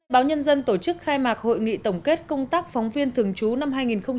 báo nhân dân tổ chức khai mạc hội nghị tổng kết công tác phóng viên thường trú năm hai nghìn một mươi chín